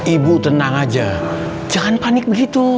ibu tenang aja jangan panik begitu